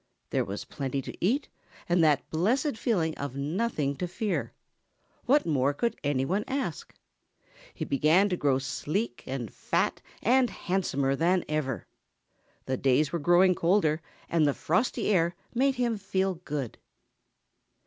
There was plenty to eat and that blessed feeling of nothing to fear. What more could any one ask? He began to grow sleek and fat and handsomer than ever. The days were growing colder and the frosty air made him feel good.